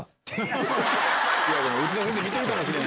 ウチダ先生見てるかもしれん。